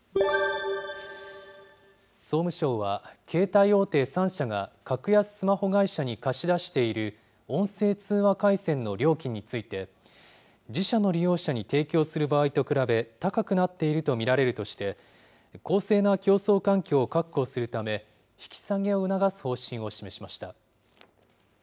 総務省は、携帯大手３社が格安スマホ会社に貸し出している音声通話回線の料金について、自社の利用者に提供する場合と比べ、高くなっていると見られるとして、公正な競争環境を確保するため、引き下げを促す方針を示しました。